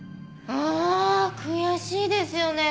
ああ悔しいですよね。